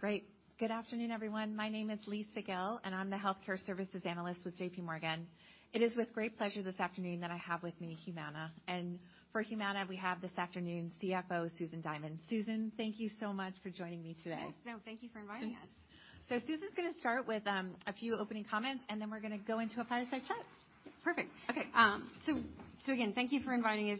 Great. Good afternoon, everyone. My name is Lisa Gill, and I'm the Healthcare Services analyst with J.P. Morgan. It is with great pleasure this afternoon that I have with me Humana. For Humana, we have this afternoon CFO Susan Diamond. Susan, thank you so much for joining me today. Yes. No, thank you for inviting us. Susan's gonna start with a few opening comments, and then we're gonna go into a fireside chat. Perfect. Okay. So again, thank you for inviting us.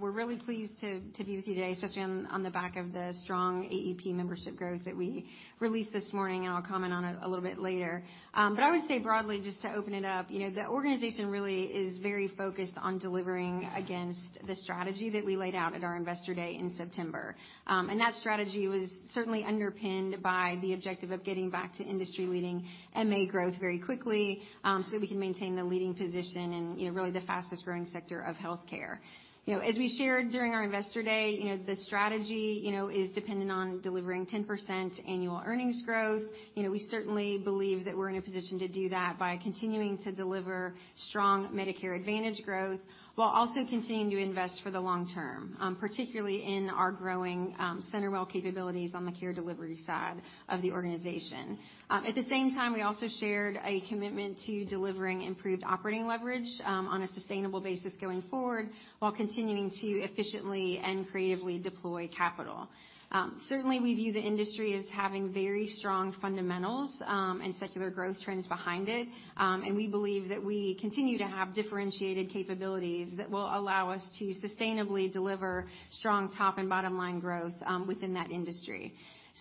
We're really pleased to be with you today, especially on the back of the strong AEP membership growth that we released this morning, and I'll comment on it a little bit later. I would say broadly, just to open it up, you know, the organization really is very focused on delivering against the strategy that we laid out at our Investor Day in September. That strategy was certainly underpinned by the objective of getting back to industry-leading MA growth very quickly, so that we can maintain the leading position in, you know, really the fastest growing sector of healthcare. You know, as we shared during our Investor Day, you know, the strategy, you know, is dependent on delivering 10% annual earnings growth. You know, we certainly believe that we're in a position to do that by continuing to deliver strong Medicare Advantage growth while also continuing to invest for the long term, particularly in our growing CenterWell capabilities on the care delivery side of the organization. At the same time, we also shared a commitment to delivering improved operating leverage on a sustainable basis going forward while continuing to efficiently and creatively deploy capital. Certainly we view the industry as having very strong fundamentals and secular growth trends behind it, and we believe that we continue to have differentiated capabilities that will allow us to sustainably deliver strong top and bottom line growth within that industry.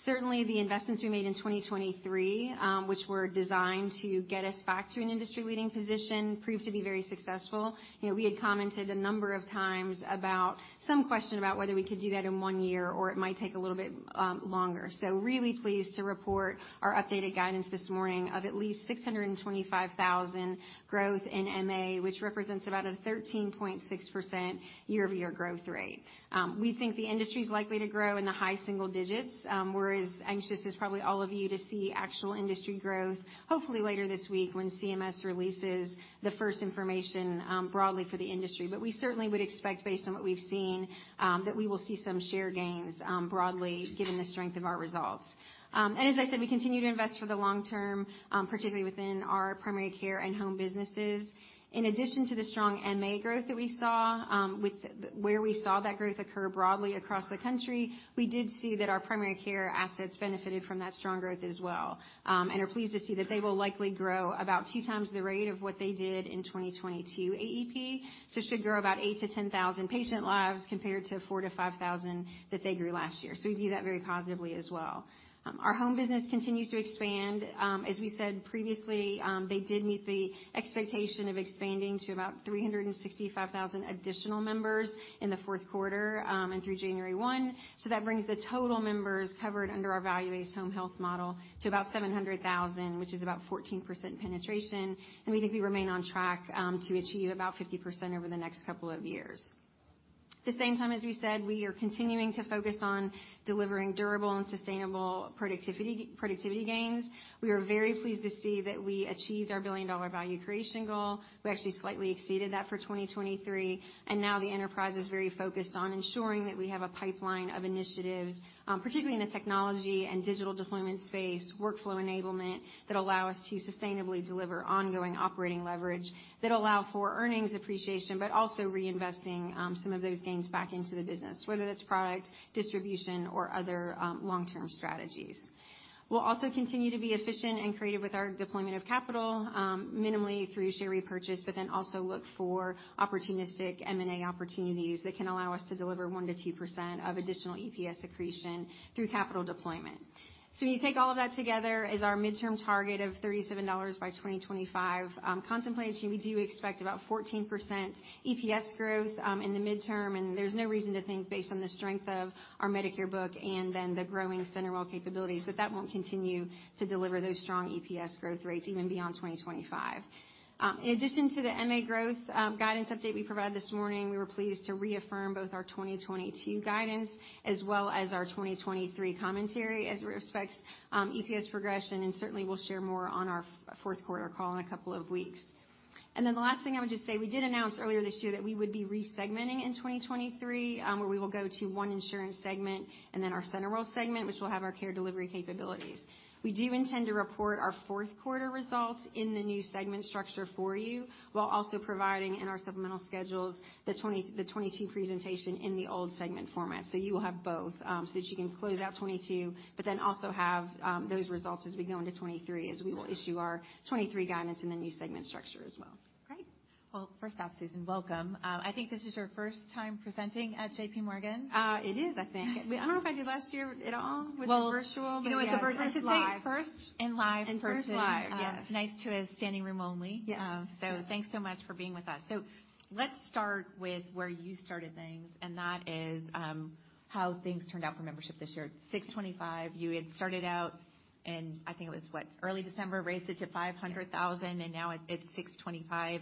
Certainly, the investments we made in 2023, which were designed to get us back to an industry-leading position, proved to be very successful. You know, we had commented a number of times about some question about whether we could do that in one year or it might take a little bit longer. Really pleased to report our updated guidance this morning of at least 625,000 growth in MA, which represents about a 13.6% year-over-year growth rate. We think the industry's likely to grow in the high single digits, we're as anxious as probably all of you to see actual industry growth, hopefully later this week when CMS releases the first information broadly for the industry. We certainly would expect based on what we've seen that we will see some share gains broadly given the strength of our results. As I said, we continue to invest for the long term, particularly within our primary care and home businesses. In addition to the strong MA growth that we saw, where we saw that growth occur broadly across the country, we did see that our primary care assets benefited from that strong growth as well, and are pleased to see that they will likely grow about two times the rate of what they did in 2022 AEP. Should grow about 8,000-10,000 patient lives compared to 4,000-5,000 that they grew last year. We view that very positively as well. Our home business continues to expand. As we said previously, they did meet the expectation of expanding to about 365,000 additional members in the fourth quarter, and through January 1. That brings the total members covered under our value-based home health model to about 700,000, which is about 14% penetration, and we think we remain on track to achieve about 50% over the next couple of years. The same time, as we said, we are continuing to focus on delivering durable and sustainable productivity gains. We are very pleased to see that we achieved our billion-dollar value creation goal. We actually slightly exceeded that for 2023, and now the enterprise is very focused on ensuring that we have a pipeline of initiatives, particularly in the technology and digital deployment space, workflow enablement that allow us to sustainably deliver ongoing operating leverage that allow for earnings appreciation, but also reinvesting some of those gains back into the business, whether that's product, distribution or other long-term strategies. We'll also continue to be efficient and creative with our deployment of capital, minimally through share repurchase, also look for opportunistic M&A opportunities that can allow us to deliver 1%-2% of additional EPS accretion through capital deployment. When you take all of that together as our midterm target of $37 by 2025 contemplates, we do expect about 14% EPS growth in the midterm, and there's no reason to think based on the strength of our Medicare book and then the growing CenterWell capabilities, that won't continue to deliver those strong EPS growth rates even beyond 2025. In addition to the MA growth, guidance update we provided this morning, we were pleased to reaffirm both our 2022 guidance as well as our 2023 commentary as we respect EPS progression, and certainly we'll share more on our fourth quarter call in a couple of weeks. The last thing I would just say, we did announce earlier this year that we would be re-segmenting in 2023, where we will go to one insurance segment and then our CenterWell segment, which will have our care delivery capabilities. We do intend to report our fourth quarter results in the new segment structure for you, while also providing in our supplemental schedules the 2022 presentation in the old segment format. You will have both, so that you can close out 2022, but then also have, those results as we go into 2023 as we will issue our 2023 guidance in the new segment structure as well. Well, first off, Susan, welcome. I think this is your first time presenting at JPMorgan. It is, I think. I don't know if I did last year at all with the virtual. Well, you know, it's the first. Live. First live. In-person. Yes. Tonight too is standing room only. Yes. Thanks so much for being with us. Let's start with where you started things, and that is how things turned out for membership this year. 625,000, you had started out in, I think it was, what, early December, raised it to 500,000, and now it's 625,000.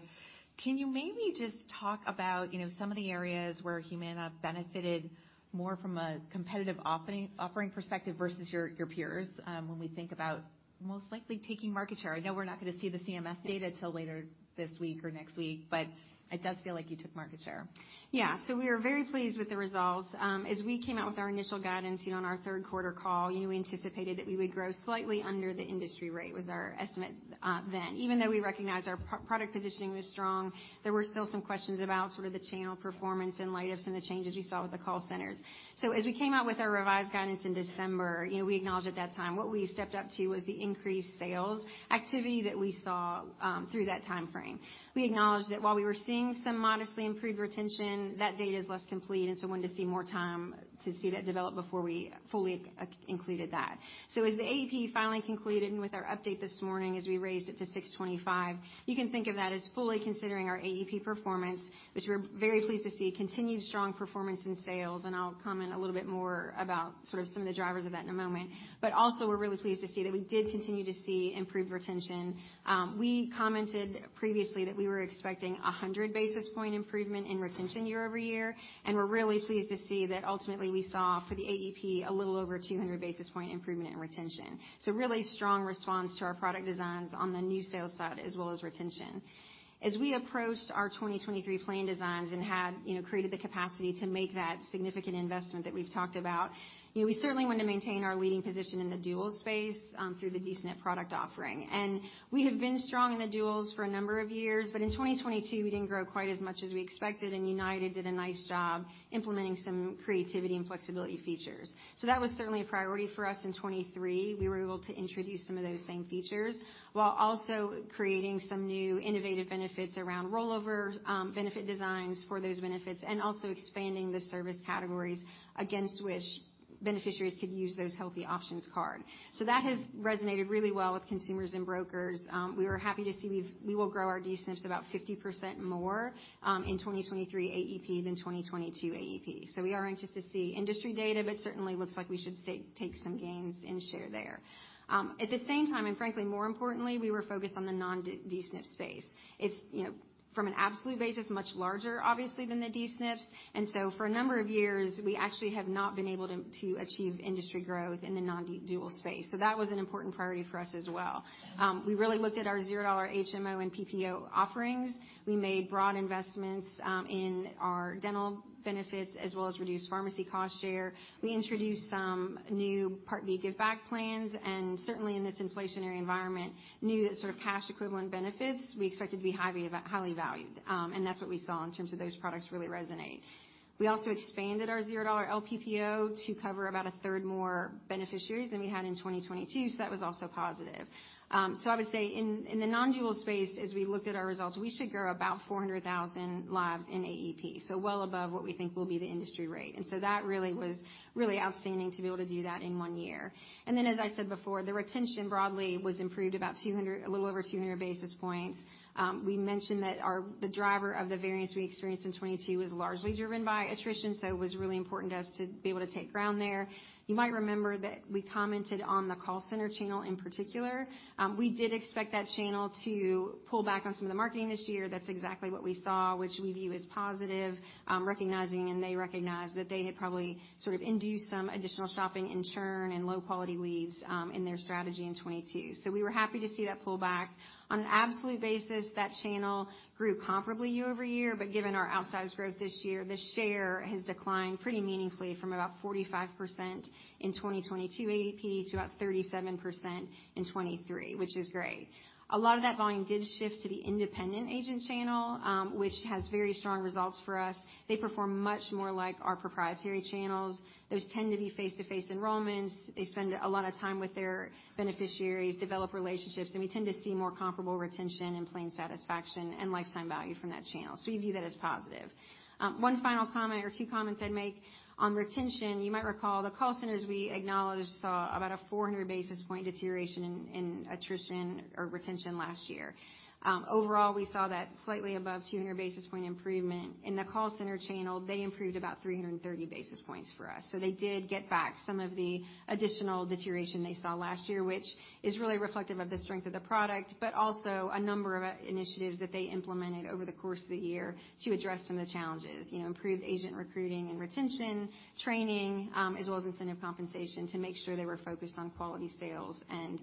Can you maybe just talk about, you know, some of the areas where Humana benefited more from a competitive offering perspective versus your peers when we think about most likely taking market share? I know we're not gonna see the CMS data till later this week or next week, but it does feel like you took market share. We are very pleased with the results. As we came out with our initial guidance, you know, on our third quarter call, you anticipated that we would grow slightly under the industry rate, was our estimate then. Even though we recognized our product positioning was strong, there were still some questions about sort of the channel performance in light of some of the changes we saw with the call centers. As we came out with our revised guidance in December, you know, we acknowledged at that time what we stepped up to was the increased sales activity that we saw through that timeframe. We acknowledged that while we were seeing some modestly improved retention, that data is less complete, and so wanted to see more time to see that develop before we fully included that. As the AEP finally concluded, with our update this morning as we raised it to $625,000 you can think of that as fully considering our AEP performance, which we're very pleased to see continued strong performance in sales, and I'll comment a little bit more about sort of some of the drivers of that in a moment. Also we're really pleased to see that we did continue to see improved retention. We commented previously that we were expecting a 100 basis point improvement in retention year-over-year, and we're really pleased to see that ultimately we saw for the AEP a little over 200 basis point improvement in retention. Really strong response to our product designs on the new sales side as well as retention. As we approached our 2023 plan designs and had, you know, created the capacity to make that significant investment that we've talked about, you know, we certainly want to maintain our leading position in the dual space, through the D-SNP product offering. We have been strong in the duals for a number of years, but in 2022, we didn't grow quite as much as we expected, and United did a nice job implementing some creativity and flexibility features. That was certainly a priority for us in 2023. We were able to introduce some of those same features while also creating some new innovative benefits around rollover, benefit designs for those benefits, and also expanding the service categories against which beneficiaries could use those Healthy Options card. That has resonated really well with consumers and brokers. We were happy to see we will grow our D-SNPs about 50% more in 2023 AEP than 2022 AEP. We are anxious to see industry data, but certainly looks like we should take some gains in share there. At the same time, and frankly more importantly, we were focused on the non D-SNP space. It's, you know, from an absolute basis, much larger obviously than the D-SNPs, and so for a number of years, we actually have not been able to achieve industry growth in the non-dual space. That was an important priority for us as well. We really looked at our $0 HMO and PPO offerings. We made broad investments in our dental benefits as well as reduced pharmacy cost share. We introduced some new Part B give back plans. Certainly in this inflationary environment, new sort of cash equivalent benefits we expect to be highly valued. That's what we saw in terms of those products really resonate. We also expanded our $0 LPPO to cover about a third more beneficiaries than we had in 2022, so that was also positive. So I would say in the non-dual space as we looked at our results, we should grow about 400,000 lives in AEP, so well above what we think will be the industry rate. That really was really outstanding to be able to do that in one year. Then as I said before, the retention broadly was improved about a little over 200 basis points. We mentioned that the driver of the variance we experienced in 2022 was largely driven by attrition, so it was really important to us to be able to take ground there. You might remember that we commented on the call center channel in particular. We did expect that channel to pull back on some of the marketing this year. That's exactly what we saw, which we view as positive, recognizing, and they recognized, that they had probably sort of induced some additional shopping and churn and low quality leads, in their strategy in 2022. We were happy to see that pull back. On an absolute basis, that channel grew comparably year over year, but given our outsized growth this year, the share has declined pretty meaningfully from about 45% in 2022 AEP to about 37% in 2023, which is great. A lot of that volume did shift to the independent agent channel, which has very strong results for us. They perform much more like our proprietary channels. Those tend to be face-to-face enrollments. They spend a lot of time with their beneficiaries, develop relationships, and we tend to see more comparable retention and plan satisfaction and lifetime value from that channel. We view that as positive. One final comment or two comments I'd make. On retention, you might recall the call centers we acknowledged saw about a 400 basis point deterioration in attrition or retention last year. Overall, we saw that slightly above 200 basis point improvement. In the call center channel, they improved about 330 basis points for us. They did get back some of the additional deterioration they saw last year, which is really reflective of the strength of the product, but also a number of initiatives that they implemented over the course of the year to address some of the challenges. You know, improved agent recruiting and retention, training, as well as incentive compensation to make sure they were focused on quality sales and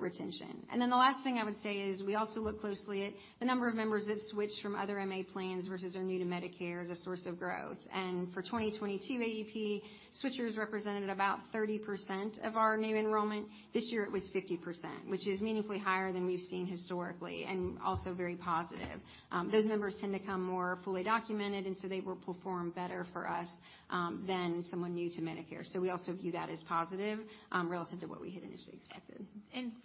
retention. The last thing I would say is we also look closely at the number of members that switched from other MA plans versus are new to Medicare as a source of growth. For 2022 AEP, switchers represented about 30% of our new enrollment. This year it was 50%, which is meaningfully higher than we've seen historically and also very positive. Those numbers tend to come more fully documented, and so they will perform better for us than someone new to Medicare. We also view that as positive relative to what we had initially expected.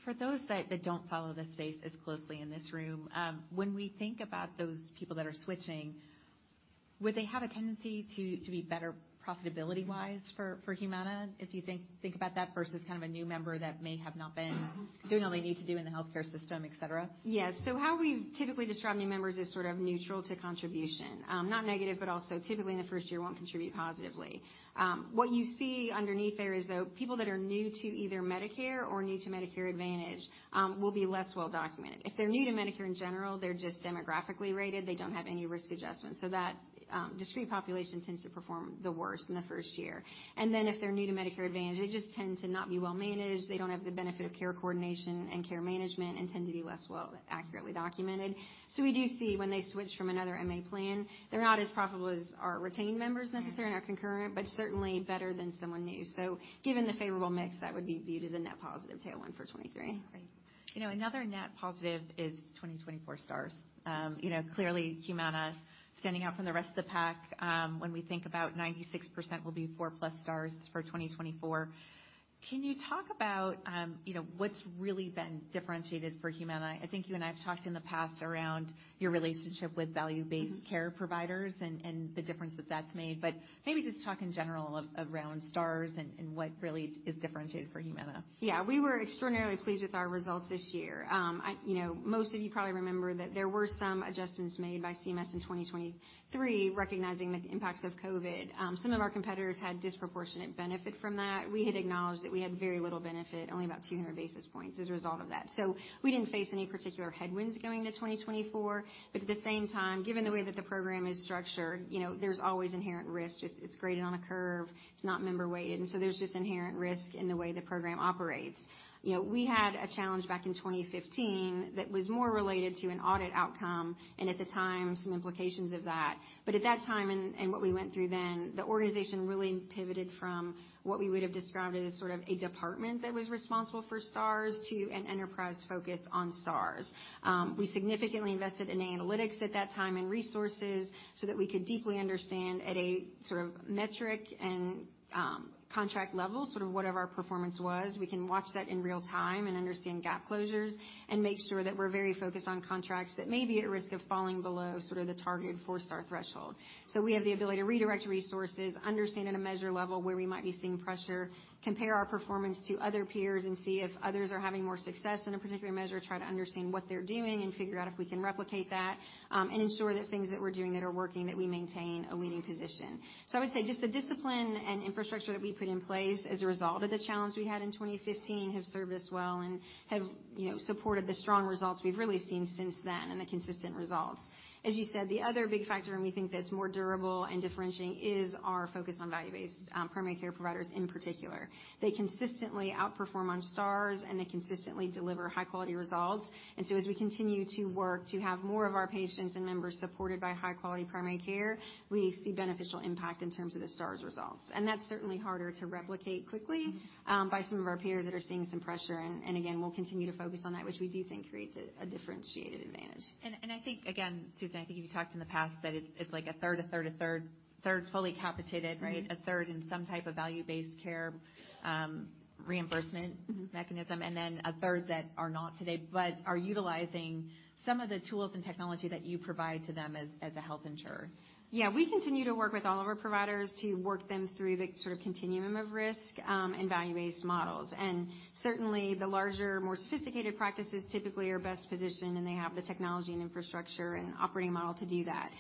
For those that don't follow the space as closely in this room, when we think about those people that are switching, would they have a tendency to be better profitability-wise for Humana, if you think about that, versus kind of a new member that may have not been doing all they need to do in the healthcare system, et cetera? Yes. How we typically describe new members is sort of neutral to contribution. Not negative, but also typically in the first year won't contribute positively. What you see underneath there is, though, people that are new to either Medicare or new to Medicare Advantage will be less well-documented. If they're new to Medicare in general, they're just demographically rated. They don't have any risk adjustments. That discrete population tends to perform the worst in the first year. If they're new to Medicare Advantage, they just tend to not be well managed. They don't have the benefit of care coordination and care management and tend to be less well accurately documented. We do see when they switch from another MA plan, they're not as profitable as our retained members necessarily and our concurrent, but certainly better than someone new. Given the favorable mix, that would be viewed as a net positive tailwind for 2023. Right. You know, another net positive is 2024 stars. You know, clearly Humana standing out from the rest of the pack, when we think about 96% will be four-plus stars for 2024. Can you talk about, you know, what's really been differentiated for Humana? I think you and I have talked in the past around your relationship with value-based care providers and the difference that that's made, but maybe just talk in general around stars and what really is differentiated for Humana. We were extraordinarily pleased with our results this year. You know, most of you probably remember that there were some adjustments made by CMS in 2023, recognizing the impacts of COVID. Some of our competitors had disproportionate benefit from that. We had acknowledged that we had very little benefit, only about 200 basis points as a result of that. We didn't face any particular headwinds going into 2024. At the same time, given the way that the program is structured, you know, there's always inherent risk. It's graded on a curve. It's not member-weighted, there's just inherent risk in the way the program operates. You know, we had a challenge back in 2015 that was more related to an audit outcome, and at the time, some implications of that. At that time and what we went through then, the organization really pivoted from what we would have described as sort of a department that was responsible for Stars to an enterprise focus on Stars. We significantly invested in analytics at that time and resources so that we could deeply understand at a sort of metric and contract level, sort of whatever our performance was. We can watch that in real time and understand gap closures and make sure that we're very focused on contracts that may be at risk of falling below sort of the targeted four-Star threshold. We have the ability to redirect resources, understand at a measure level where we might be seeing pressure, compare our performance to other peers and see if others are having more success in a particular measure, try to understand what they're doing and figure out if we can replicate that, and ensure that things that we're doing that are working, that we maintain a leading position. I would say just the discipline and infrastructure that we put in place as a result of the challenge we had in 2015 have served us well and have, you know, supported the strong results we've really seen since then and the consistent results. As you said, the other big factor, and we think that's more durable and differentiating is our focus on value-based primary care providers in particular. They consistently outperform on stars, and they consistently deliver high-quality results. As we continue to work to have more of our patients and members supported by high-quality primary care, we see beneficial impact in terms of the stars results. That's certainly harder to replicate quickly, by some of our peers that are seeing some pressure. Again, we'll continue to focus on that, which we do think creates a differentiated advantage. I think, again, Susan, I think you talked in the past that it's like a third, a third, a third. Third fully capitated, right? Mm-hmm. A third in some type of value-based care. Mm-hmm... mechanism, and then a third that are not today, but are utilizing some of the tools and technology that you provide to them as a health insurer. We continue to work with all of our providers to work them through the sort of continuum of risk and value-based models. Certainly the larger, more sophisticated practices typically are best positioned, and they have the technology and infrastructure and operating model to do that.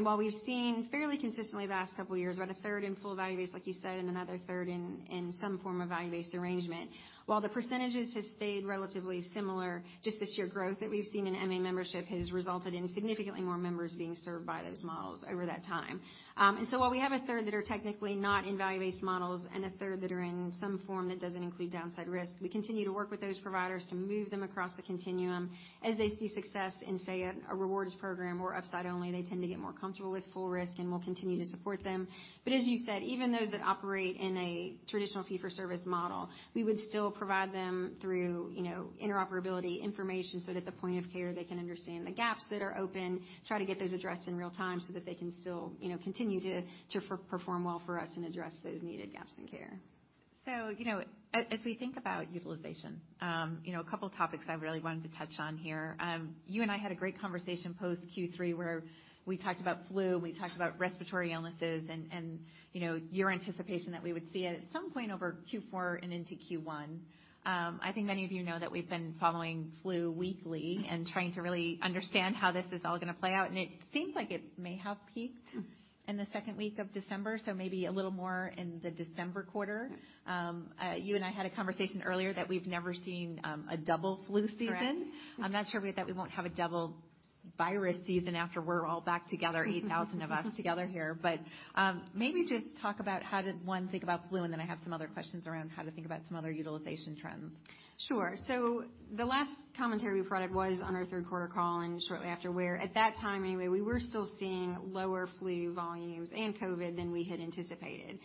While we've seen fairly consistently the last couple of years, about a third in full value-based, like you said, and another third in some form of value-based arrangement. The percentages have stayed relatively similar, just the sheer growth that we've seen in MA membership has resulted in significantly more members being served by those models over that time. While we have a third that are technically not in value-based models and a third that are in some form that doesn't include downside risk, we continue to work with those providers to move them across the continuum. As they see success in, say, a rewards program or upside only, they tend to get more comfortable with full risk, and we'll continue to support them. As you said, even those that operate in a traditional fee-for-service model, we would still provide them through, you know, interoperability information so that the point of care, they can understand the gaps that are open, try to get those addressed in real time so that they can still, you know, continue to perform well for us and address those needed gaps in care. You know, as we think about utilization, you know, a couple topics I really wanted to touch on here. You and I had a great conversation post Q3 where we talked about flu, we talked about respiratory illnesses and, you know, your anticipation that we would see it at some point over Q4 and into Q1. I think many of you know that we've been following flu weekly and trying to really understand how this is all gonna play out, and it seems like it may have peaked. Mm-hmm ... in the second week of December, so maybe a little more in the December quarter. You and I had a conversation earlier that we've never seen, a double flu season. Correct. I'm not sure that we won't have a double virus season after we're all back together, 8,000 of us together here. maybe just talk about how to, one, think about flu, and then I have some other questions around how to think about some other utilization trends. Sure. The last commentary we provided was on our third quarter call and shortly after, where at that time anyway, we were still seeing lower flu volumes and COVID than we had anticipated.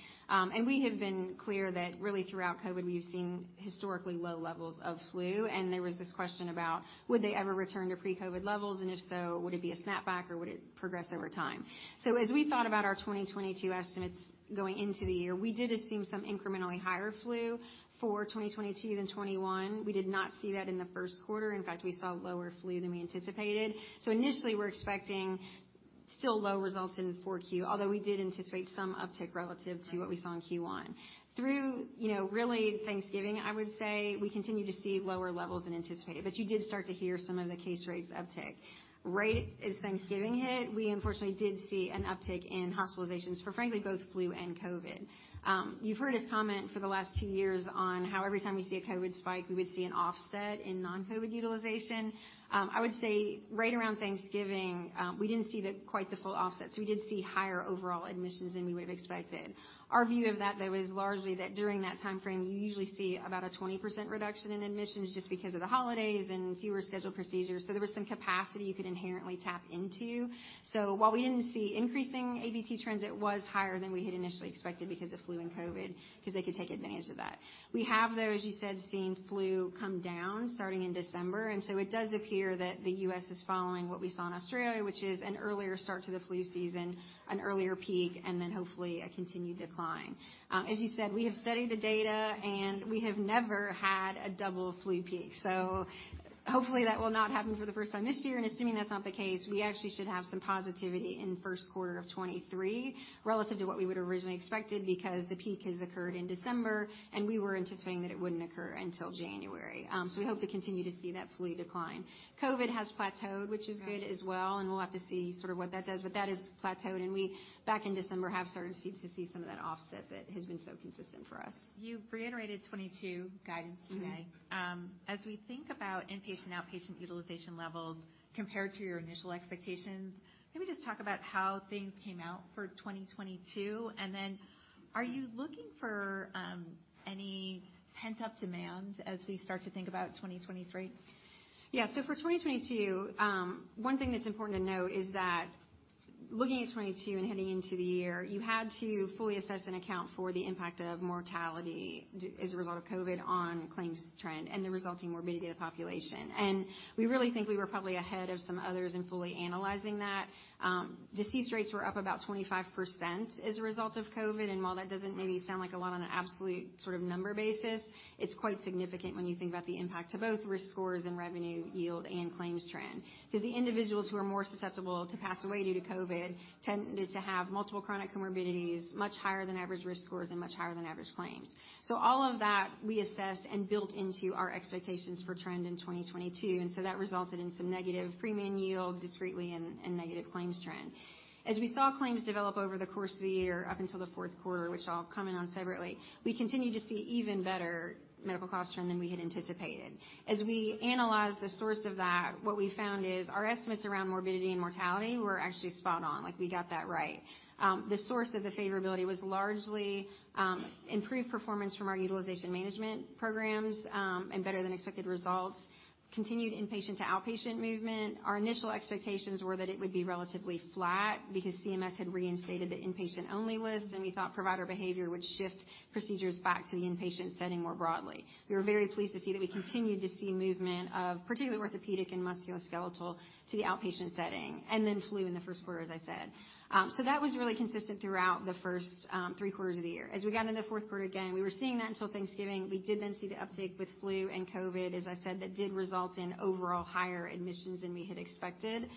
We have been clear that really throughout COVID, we've seen historically low levels of flu, and there was this question about would they ever return to pre-COVID levels, and if so, would it be a snap back, or would it progress over time? As we thought about our 2022 estimates going into the year, we did assume some incrementally higher flu for 2022 than 2021. We did not see that in the first quarter. In fact, we saw lower flu than we anticipated. Initially, we're expecting still low results in 4Q, although we did anticipate some uptick relative to what we saw in Q1. Through, you know, really Thanksgiving, I would say, we continue to see lower levels than anticipated. You did start to hear some of the case rates uptick. Right as Thanksgiving hit, we unfortunately did see an uptick in hospitalizations for, frankly, both flu and COVID. You've heard us comment for the last two years on how every time we see a COVID spike, we would see an offset in non-COVID utilization. I would say right around Thanksgiving, we didn't see quite the full offset, so we did see higher overall admissions than we would have expected. Our view of that, though, is largely that during that timeframe, you usually see about a 20% reduction in admissions just because of the holidays and fewer scheduled procedures. There was some capacity you could inherently tap into. While we didn't see increasing APT trends, it was higher than we had initially expected because of flu and COVID, because they could take advantage of that. We have, though, as you said, seen flu come down starting in December, it does appear that the U.S. is following what we saw in Australia, which is an earlier start to the flu season, an earlier peak, and then hopefully a continued decline. As you said, we have studied the data, we have never had a double flu peak, so hopefully that will not happen for the first time this year, and assuming that's not the case, we actually should have some positivity in the first quarter of 2023 relative to what we would have originally expected because the peak has occurred in December, and we were anticipating that it wouldn't occur until January. We hope to continue to see that flu decline. COVID has plateaued, which is good as well, and we'll have to see sort of what that does. That has plateaued and we, back in December, have started to see some of that offset that has been so consistent for us. You reiterated 2022 guidance today. Mm-hmm. As we think about inpatient/outpatient utilization levels compared to your initial expectations, can we just talk about how things came out for 2022? Are you looking for any pent-up demand as we start to think about 2023? For 2022, one thing that's important to note is that looking at 2022 and heading into the year, you had to fully assess and account for the impact of mortality as a result of COVID on claims trend and the resulting morbidity of the population. We really think we were probably ahead of some others in fully analyzing that. Deceased rates were up about 25% as a result of COVID. While that doesn't maybe sound like a lot on an absolute sort of number basis, it's quite significant when you think about the impact to both risk scores and revenue yield and claims trend, because the individuals who are more susceptible to pass away due to COVID tended to have multiple chronic comorbidities, much higher than average risk scores, and much higher than average claims. All of that we assessed and built into our expectations for trend in 2022, that resulted in some negative premium yield discretely and negative claims trend. As we saw claims develop over the course of the year up until the fourth quarter, which I'll comment on separately, we continue to see even better medical cost trend than we had anticipated. As we analyze the source of that, what we found is our estimates around morbidity and mortality were actually spot on. Like, we got that right. The source of the favorability was largely improved performance from our utilization management programs, and better than expected results, continued inpatient to outpatient movement. Our initial expectations were that it would be relatively flat because CMS had reinstated the inpatient-only list, and we thought provider behavior would shift procedures back to the inpatient setting more broadly. We were very pleased to see that we continued to see movement of particularly orthopedic and musculoskeletal to the outpatient setting, and then flu in the first quarter, as I said. That was really consistent throughout the first three quarters of the year. As we got into the fourth quarter, again, we were seeing that until Thanksgiving. We did then see the uptick with flu and COVID, as I said, that did result in overall higher admissions than we had expected.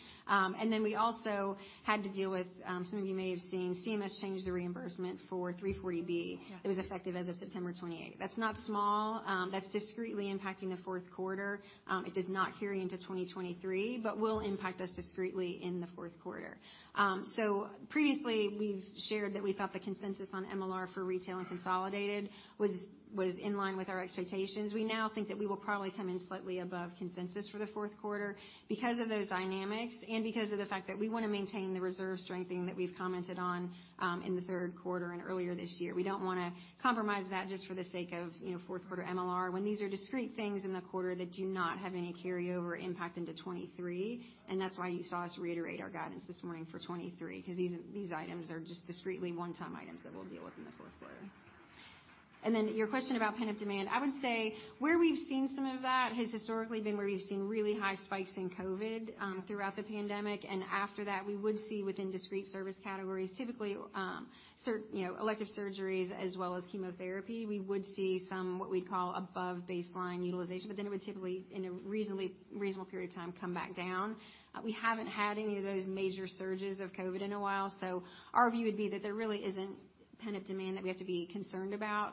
We also had to deal with, some of you may have seen CMS changed the reimbursement for 340B. Yeah. It was effective as of September 28th. That's not small. That's discretely impacting the fourth quarter. It does not carry into 2023 but will impact us discretely in the fourth quarter. Previously we've shared that we thought the consensus on MLR for retail and consolidated was in line with our expectations. We now think that we will probably come in slightly above consensus for the fourth quarter because of those dynamics and because of the fact that we wanna maintain the reserve strengthening that we've commented on, in the third quarter and earlier this year. We don't wanna compromise that just for the sake of, you know, fourth quarter MLR when these are discrete things in the quarter that do not have any carryover impact into 2023, and that's why you saw us reiterate our guidance this morning for 2023, because these items are just discretely one-time items that we'll deal with in the fourth quarter. Your question about pent-up demand, I would say where we've seen some of that has historically been where you've seen really high spikes in COVID throughout the pandemic. After that, we would see within discrete service categories, typically, you know, elective surgeries as well as chemotherapy. We would see some what we'd call above baseline utilization, but then it would typically, in a reasonable period of time, come back down. We haven't had any of those major surges of COVID in a while. Our view would be that there really isn't pent-up demand that we have to be concerned about.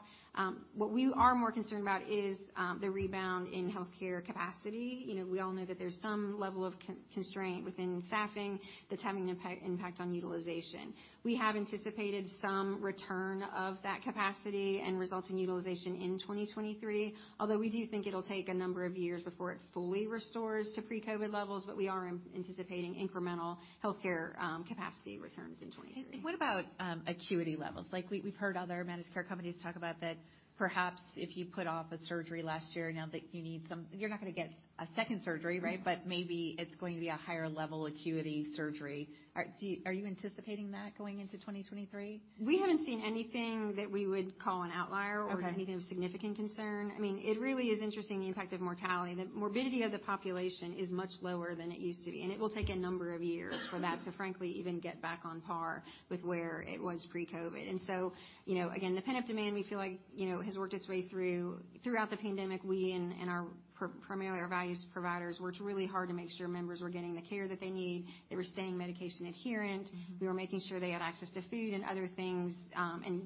What we are more concerned about is the rebound in healthcare capacity. You know, we all know that there's some level of constraint within staffing that's having an impact on utilization. We have anticipated some return of that capacity and resulting utilization in 2023. Although we do think it'll take a number of years before it fully restores to pre-COVID levels, but we are anticipating incremental healthcare capacity returns in 2023. What about acuity levels? Like we've heard other managed care companies talk about that perhaps if you put off a surgery last year, now that you need some. You're not gonna get a second surgery, right? Mm-hmm. Maybe it's going to be a higher level acuity surgery. Are you anticipating that going into 2023? We haven't seen anything that we would call an outlier. Okay. Anything of significant concern. I mean, it really is interesting the impact of mortality. The morbidity of the population is much lower than it used to be, and it will take a number of years for that to, frankly, even get back on par with where it was pre-COVID. You know, again, the pent-up demand, we feel like, you know, has worked its way throughout the pandemic. We and our primarily our values providers worked really hard to make sure members were getting the care that they need. They were staying medication adherent. Mm-hmm. We were making sure they had access to food and other things,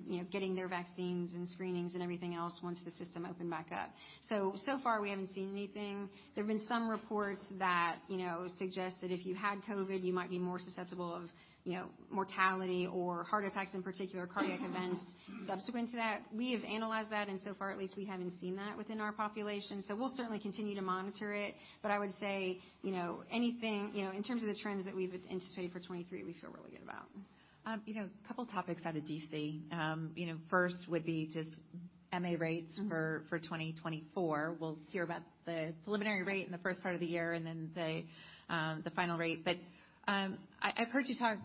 you know, getting their vaccines and screenings and everything else once the system opened back up. So far, we haven't seen anything. There have been some reports that, you know, suggest that if you had COVID, you might be more susceptible of, you know, mortality or heart attacks, in particular cardiac events subsequent to that. We have analyzed that. So far at least, we haven't seen that within our population. We'll certainly continue to monitor it. I would say, you know, anything, you know, in terms of the trends that we've anticipated for 2023, we feel really good about. You know, a couple topics out of D.C. You know, first would be just MA rates. Mm-hmm. for 2024. We'll hear about the preliminary rate in the first part of the year and then the final rate. I've heard you talk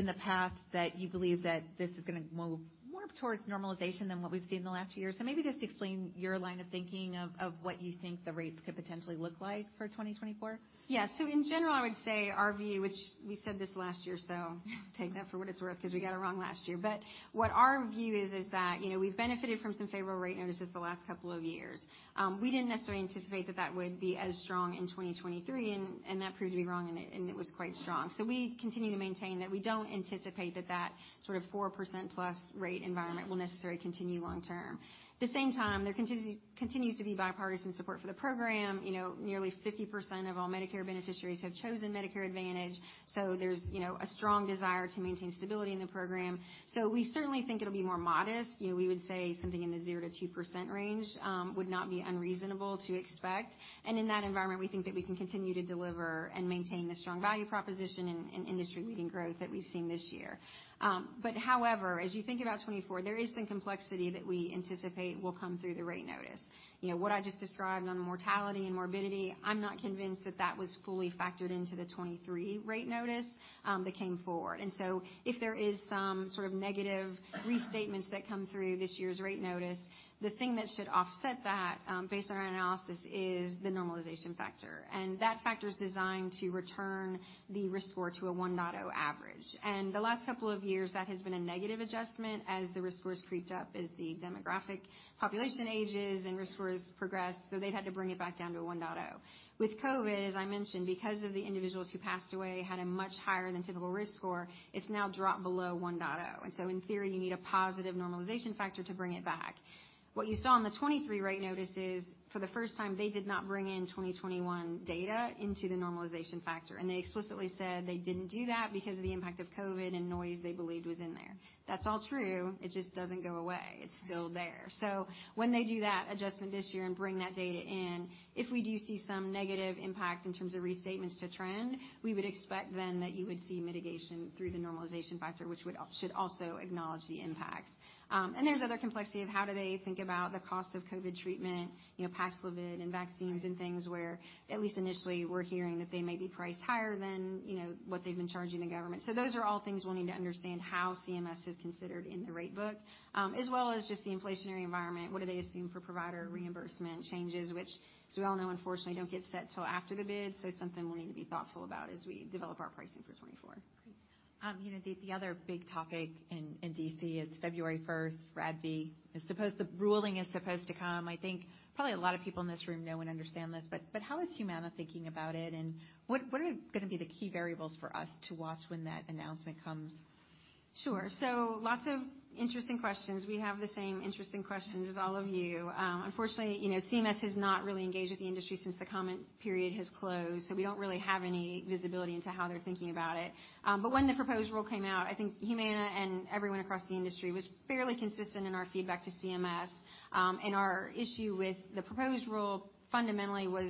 in the past that you believe that this is gonna move more towards normalization than what we've seen in the last few years. Maybe just explain your line of thinking of what you think the rates could potentially look like for 2024. Yeah. In general, I would say our view, which we said this last year, so take that for what it's worth, because we got it wrong last year. What our view is that, you know, we've benefited from some favorable rate notices the last couple of years. We didn't necessarily anticipate that that would be as strong in 2023, and that proved to be wrong, and it was quite strong. We continue to maintain that we don't anticipate that that sort of 4% plus rate environment will necessarily continue long term. At the same time, there continues to be bipartisan support for the program. You know, nearly 50% of all Medicare beneficiaries have chosen Medicare Advantage. There's, you know, a strong desire to maintain stability in the program. We certainly think it'll be more modest. You know, we would say something in the 0% to 2% range, would not be unreasonable to expect. In that environment, we think that we can continue to deliver and maintain the strong value proposition and industry-leading growth that we've seen this year. However, as you think about 2024, there is some complexity that we anticipate will come through the rate notice. You know, what I just described on mortality and morbidity, I'm not convinced that that was fully factored into the 2023 rate notice, that came forward. So if there is some sort of negative restatements that come through this year's rate notice, the thing that should offset that, based on our analysis, is the normalization factor, and that factor is designed to return the risk score to a 1.0 average. The last couple of years, that has been a negative adjustment as the risk scores creeped up, as the demographic population ages and risk scores progress. They've had to bring it back down to a 1.0. With COVID, as I mentioned, because of the individuals who passed away had a much higher than typical risk score, it's now dropped below 1.0. In theory, you need a positive normalization factor to bring it back. What you saw on the 23 rate notice is for the first time, they did not bring in 2021 data into the normalization factor. They explicitly said they didn't do that because of the impact of COVID and noise they believed was in there. That's all true. It just doesn't go away. It's still there. When they do that adjustment this year and bring that data in, if we do see some negative impact in terms of restatements to trend, we would expect then that you would see mitigation through the normalization factor, which should also acknowledge the impact. And there's other complexity of how do they think about the cost of COVID treatment, you know, Paxlovid and vaccines and things where at least initially we're hearing that they may be priced higher than, you know, what they've been charging the government. Those are all things we'll need to understand how CMS has considered in the rate book, as well as just the inflationary environment. What do they assume for provider reimbursement changes, which, as we all know, unfortunately don't get set till after the bid. It's something we'll need to be thoughtful about as we develop our pricing for 2024. Great. you know, the other big topic in D.C. is February first, RADV the ruling is supposed to come. I think probably a lot of people in this room know and understand this, but how is Humana thinking about it, and what are gonna be the key variables for us to watch when that announcement comes? Sure. Lots of interesting questions. We have the same interesting questions as all of you. Unfortunately, you know, CMS has not really engaged with the industry since the comment period has closed. We don't really have any visibility into how they're thinking about it. When the proposed rule came out, I think Humana and everyone across the industry was fairly consistent in our feedback to CMS. Our issue with the proposed rule fundamentally was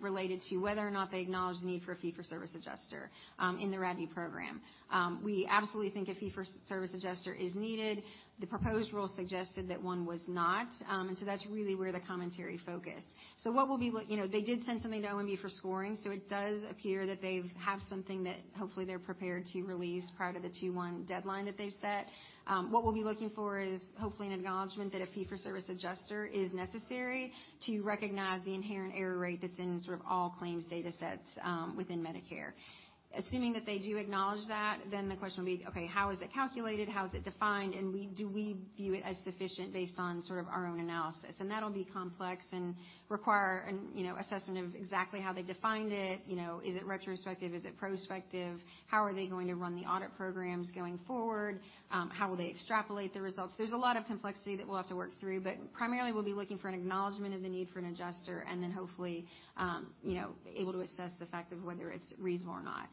related to whether or not they acknowledge the need for a fee-for-service adjuster in the RADV program. We absolutely think a fee-for-service adjuster is needed. The proposed rule suggested that one was not. That's really where the commentary focused. What we'll be, you know, they did send something to OMB for scoring, so it does appear that they've have something that hopefully they're prepared to release prior to the 2/1 deadline that they've set. What we'll be looking for is hopefully an acknowledgement that a fee-for-service adjuster is necessary to recognize the inherent error rate that's in sort of all claims datasets within Medicare. Assuming that they do acknowledge that, then the question will be, okay, how is it calculated, how is it defined, and we, do we view it as sufficient based on sort of our own analysis? That'll be complex and require, you know, assessment of exactly how they defined it. You know, is it retrospective, is it prospective? How are they going to run the audit programs going forward? How will they extrapolate the results? There's a lot of complexity that we'll have to work through, but primarily we'll be looking for an acknowledgement of the need for an adjuster and then hopefully, you know, able to assess the fact of whether it's reasonable or not.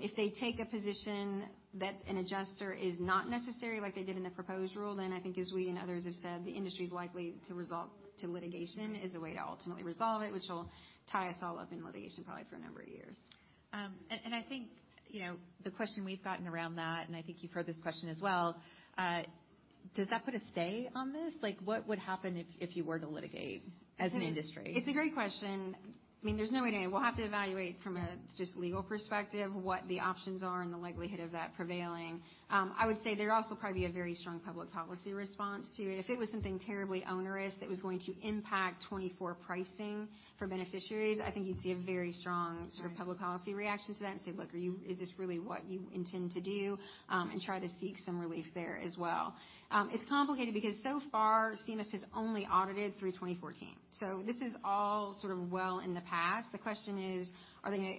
If they take a position that an adjuster is not necessary like they did in the proposed rule, then I think as we and others have said, the industry is likely to resolve to litigation as a way to ultimately resolve it, which will tie us all up in litigation probably for a number of years. I think, you know, the question we've gotten around that, and I think you've heard this question as well, does that put a stay on this? Like, what would happen if you were to litigate as an industry? It's a great question. I mean, there's no way to know. We'll have to evaluate from a just legal perspective, what the options are and the likelihood of that prevailing. I would say there'd also probably be a very strong public policy response to it. If it was something terribly onerous that was going to impact 2024 pricing for beneficiaries, I think you'd see a very strong sort of public policy reaction to that and say, "Look, is this really what you intend to do?" Try to seek some relief there as well. It's complicated because so far, CMS has only audited through 2014. This is all sort of well in the past. The question is,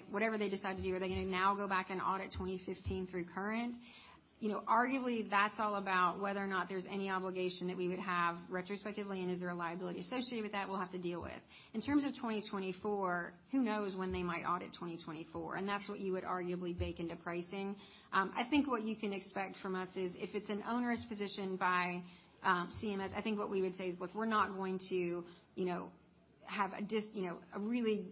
whatever they decide to do, are they gonna now go back and audit 2015 through current? You know, arguably, that's all about whether or not there's any obligation that we would have retrospectively, and is there a liability associated with that we'll have to deal with. In terms of 2024, who knows when they might audit 2024, and that's what you would arguably bake into pricing. I think what you can expect from us is if it's an onerous position by CMS, I think what we would say is, look, we're not going to, you know, have a really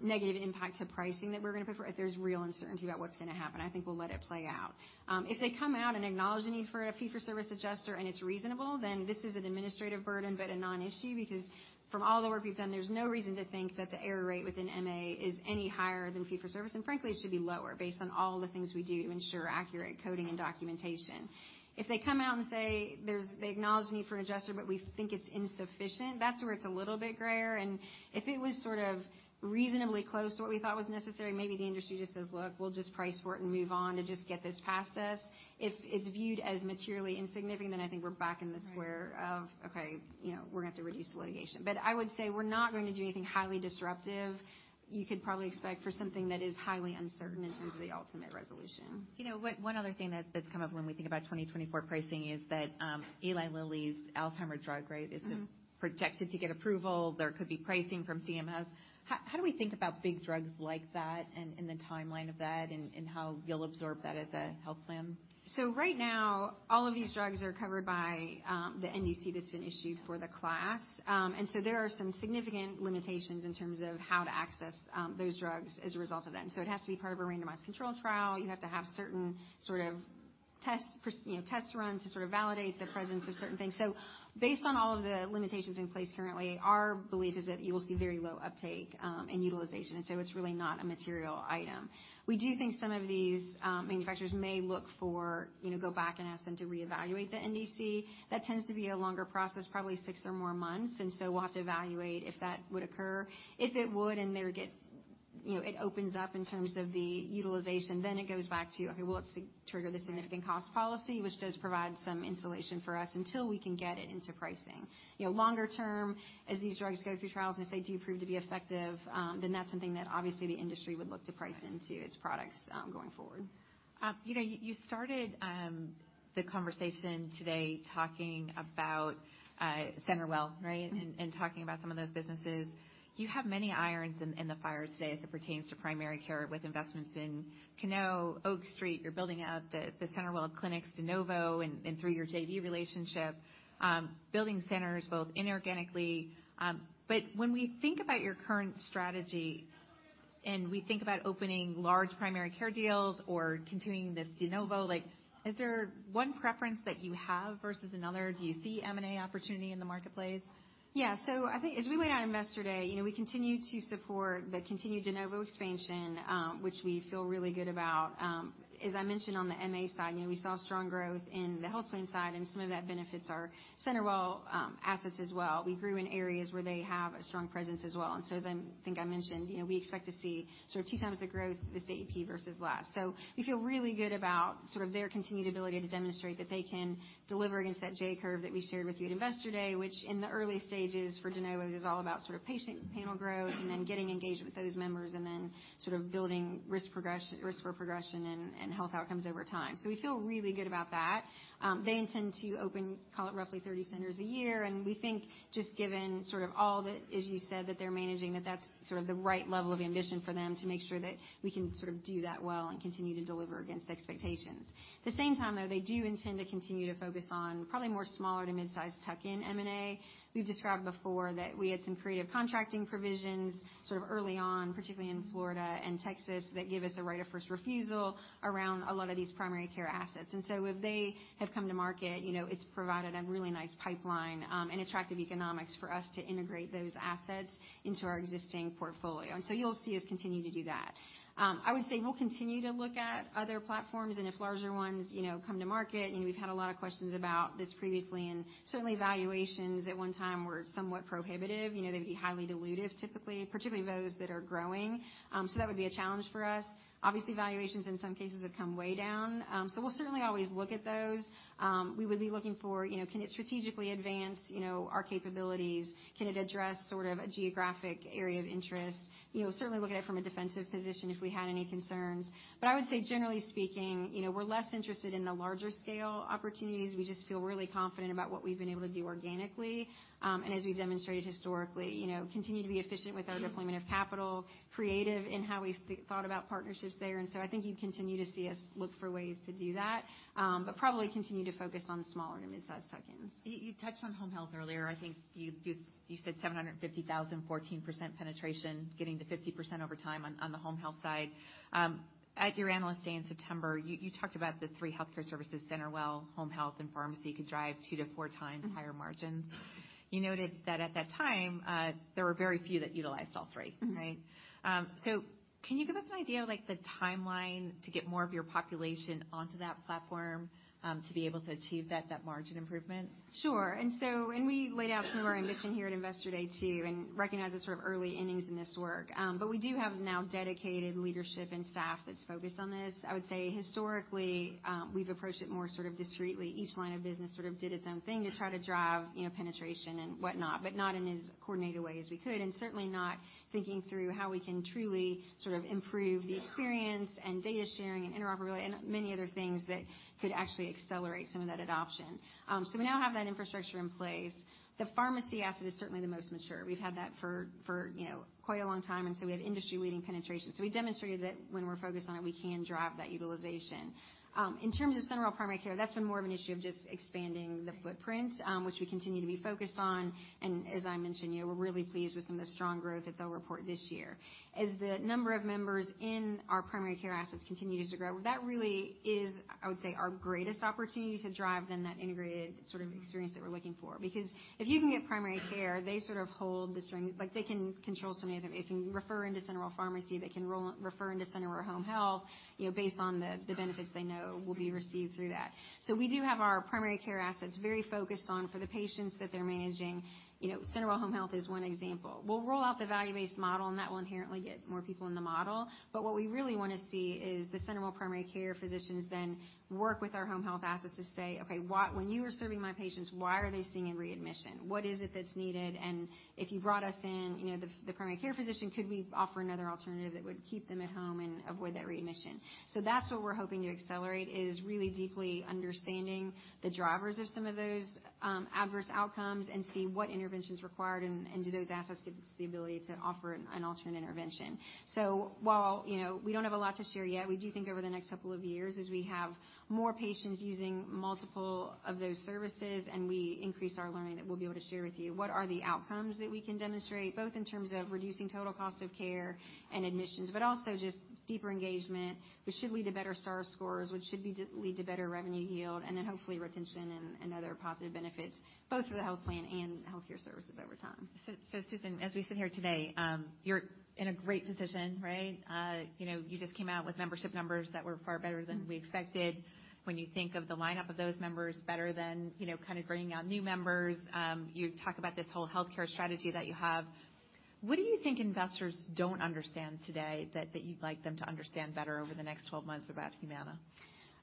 negative impact to pricing that we're gonna prefer if there's real uncertainty about what's gonna happen. I think we'll let it play out. If they come out and acknowledge the need for a fee-for-service adjuster, and it's reasonable, then this is an administrative burden, but a non-issue. From all the work we've done, there's no reason to think that the error rate within MA is any higher than fee-for-service, and frankly, it should be lower based on all the things we do to ensure accurate coding and documentation. If they come out and say they acknowledge the need for an adjuster, but we think it's insufficient, that's where it's a little bit grayer. If it was sort of reasonably close to what we thought was necessary, maybe the industry just says, "Look, we'll just price for it and move on to just get this past us." If it's viewed as materially insignificant, I think we're back in the square of, okay, you know, we're gonna have to reduce the litigation. I would say we're not going to do anything highly disruptive, you could probably expect for something that is highly uncertain in terms of the ultimate resolution. You know, one other thing that's come up when we think about 2024 pricing is that, Eli Lilly's Alzheimer's drug. Mm-hmm. is projected to get approval. There could be pricing from CMS. How do we think about big drugs like that and the timeline of that and how you'll absorb that as a health plan? Right now, all of these drugs are covered by the NDC that's been issued for the class. There are some significant limitations in terms of how to access those drugs as a result of that. It has to be part of a randomized controlled trial. You have to have certain sort of tests, you know, tests run to sort of validate the presence of certain things. Based on all of the limitations in place currently, our belief is that you will see very low uptake and utilization. It's really not a material item. We do think some of these manufacturers may look for, you know, go back and ask them to reevaluate the NDC. That tends to be a longer process, probably 6 or more months. We'll have to evaluate if that would occur. You know, it opens up in terms of the utilization, it goes back to, okay, well, let's trigger the significant cost policy, which does provide some insulation for us until we can get it into pricing. You know, longer term, as these drugs go through trials, if they do prove to be effective, that's something that obviously the industry would look to price into its products, going forward. You know, you started the conversation today talking about CenterWell, right? Mm-hmm. Talking about some of those businesses. You have many irons in the fire today as it pertains to primary care with investments in Cano Health, Oak Street Health. You're building out the CenterWell clinics de novo and through your JV relationship, building centers both inorganically. When we think about your current strategy, and we think about opening large primary care deals or continuing this de novo, like is there one preference that you have versus another? Do you see M&A opportunity in the marketplace? Yeah. I think as we laid out at Investor Day, you know, we continue to support the continued de novo expansion, which we feel really good about. As I mentioned on the MA side, you know, we saw strong growth in the health plan side, and some of that benefits our CenterWell assets as well. We grew in areas where they have a strong presence as well. As I think I mentioned, you know, we expect to see sort of two times the growth this AEP versus last. We feel really good about sort of their continued ability to demonstrate that they can deliver against that J-curve that we shared with you at Investor Day, which in the early stages for de novo is all about sort of patient panel growth and then getting engagement with those members and then sort of building risk for progression and health outcomes over time. We feel really good about that. They intend to open, call it, roughly 30 centers a year, and we think just given sort of all that, as you said, that they're managing, that that's sort of the right level of ambition for them to make sure that we can sort of do that well and continue to deliver against expectations. The same time, though, they do intend to continue to focus on probably more smaller to mid-size tuck-in M&A. We've described before that we had some creative contracting provisions sort of early on, particularly in Florida and Texas, that give us the right of first refusal around a lot of these primary care assets. If they have come to market, you know, it's provided a really nice pipeline, and attractive economics for us to integrate those assets into our existing portfolio. You'll see us continue to do that. I would say we'll continue to look at other platforms and if larger ones, you know, come to market. You know, we've had a lot of questions about this previously, and certainly valuations at one time were somewhat prohibitive. You know, they'd be highly dilutive, typically, particularly those that are growing. That would be a challenge for us. Obviously, valuations in some cases have come way down. We'll certainly always look at those. We would be looking for, you know, can it strategically advance, you know, our capabilities. Can it address sort of a geographic area of interest? You know, certainly look at it from a defensive position if we had any concerns. I would say, generally speaking, you know, we're less interested in the larger scale opportunities. We just feel really confident about what we've been able to do organically, and as we've demonstrated historically, you know, continue to be efficient with our deployment of capital, creative in how we thought about partnerships there. I think you'd continue to see us look for ways to do that, but probably continue to focus on smaller to midsize tuck-ins. You touched on Home Health earlier. I think you said 750,000, 14% penetration, getting to 50% over time on the Home Health side. At your Analyst Day in September, you talked about the three healthcare services, CenterWell, Home Health, and Pharmacy could drive two to four times higher margins. You noted that at that time, there were very few that utilized all three. Mm-hmm. Right? Can you give us an idea of, like, the timeline to get more of your population onto that platform, to be able to achieve that margin improvement? Sure. We laid out some of our ambition here at Investor Day, too, and recognize it's sort of early innings in this work. We do have now dedicated leadership and staff that's focused on this. I would say, historically, we've approached it more sort of discreetly. Each line of business sort of did its own thing to try to drive, you know, penetration and whatnot, but not in as coordinated a way as we could, and certainly not thinking through how we can truly sort of improve the experience and data sharing and interoperability and many other things that could actually accelerate some of that adoption. We now have that infrastructure in place. The pharmacy asset is certainly the most mature. We've had that for, you know, quite a long time, and so we have industry-leading penetration. We demonstrated that when we're focused on it, we can drive that utilization. In terms of CenterWell Primary Care, that's been more of an issue of just expanding the footprint, which we continue to be focused on. As I mentioned, you know, we're really pleased with some of the strong growth that they'll report this year. As the number of members in our primary care assets continues to grow, that really is, I would say, our greatest opportunity to drive then that integrated sort of experience that we're looking for. If you can get primary care, they sort of hold the string. Like, they can control so many other things. They can refer into CenterWell Pharmacy, they can refer into CenterWell Home Health, you know, based on the benefits they know will be received through that. We do have our primary care assets very focused on for the patients that they're managing. You know, CenterWell Home Health is one example. We'll roll out the value-based model, and that will inherently get more people in the model. What we really wanna see is the CenterWell primary care physicians then work with our home health assets to say, "Okay, why when you were serving my patients, why are they seeing a readmission? What is it that's needed? And if you brought us in, you know, the primary care physician, could we offer another alternative that would keep them at home and avoid that readmission?" That's what we're hoping to accelerate, is really deeply understanding the drivers of some of those adverse outcomes and see what intervention's required and do those assets give us the ability to offer an alternate intervention. While, you know, we don't have a lot to share yet, we do think over the next couple of years, as we have more patients using multiple of those services and we increase our learning, that we'll be able to share with you what are the outcomes that we can demonstrate, both in terms of reducing total cost of care and admissions, but also just deeper engagement, which should lead to better Star Scores, which should lead to better revenue yield, and then hopefully retention and other positive benefits both for the health plan and healthcare services over time. Susan, as we sit here today, you're in a great position, right? You know, you just came out with membership numbers that were far better than we expected. When you think of the lineup of those members, better than, you know, kind of bringing on new members. You talk about this whole healthcare strategy that you have. What do you think investors don't understand today that you'd like them to understand better over the next 12 months about Humana?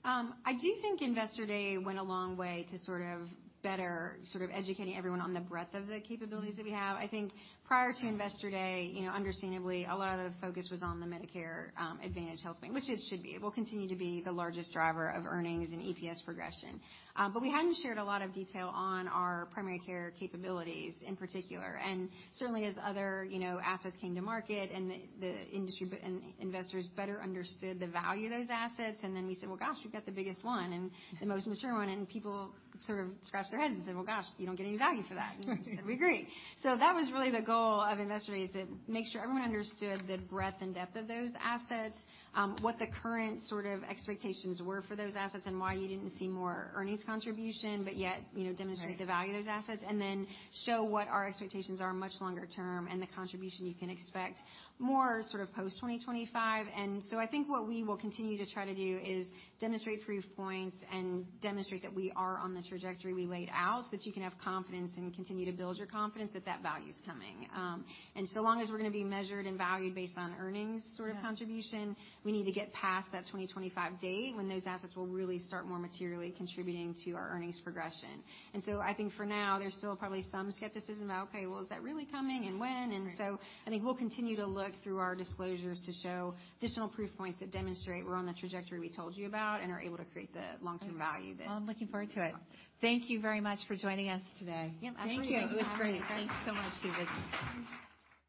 I do think Investor Day went a long way to sort of better educating everyone on the breadth of the capabilities that we have. I think prior to Investor Day, you know, understandably, a lot of the focus was on the Medicare Advantage health plan, which it should be. It will continue to be the largest driver of earnings and EPS progression. We hadn't shared a lot of detail on our primary care capabilities in particular. Certainly as other, you know, assets came to market and the industry and investors better understood the value of those assets, then we said, "Well, gosh, we've got the biggest one and the most mature one," and people sort of scratched their heads and said, "Well, gosh, you don't get any value for that." We agreed. That was really the goal of Investor Day is to make sure everyone understood the breadth and depth of those assets, what the current sort of expectations were for those assets, and why you didn't see more earnings contribution, but yet, you know. Right. demonstrate the value of those assets and then show what our expectations are much longer term and the contribution you can expect more sort of post 2025. I think what we will continue to try to do is demonstrate proof points and demonstrate that we are on the trajectory we laid out, so that you can have confidence and continue to build your confidence that that value is coming. So long as we're gonna be measured and valued based on earnings sort of contribution... Yeah. We need to get past that 2025 date when those assets will really start more materially contributing to our earnings progression. I think for now, there's still probably some skepticism about, okay, well, is that really coming and when? Right. I think we'll continue to look through our disclosures to show additional proof points that demonstrate we're on the trajectory we told you about and are able to create the long-term value. Well, I'm looking forward to it. Thank you very much for joining us today. Yep. Absolutely. Thank you. It was great. Thanks so much, Susan.